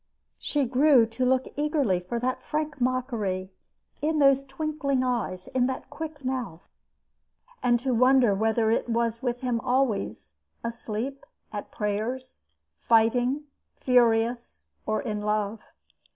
She grew to look eagerly for the frank mockery "in those twinkling eyes, in that quick mouth"; and to wonder whether it was with him always asleep, at prayers, fighting, furious, or in love.